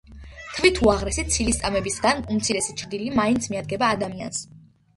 თვით უაღრესი ცილისწამებისგან უმცირესი ჩრდილი მაინც მიადგება ადამიანს.